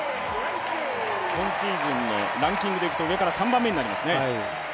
今シーズンのランキングでいうと上から３番目になりますね。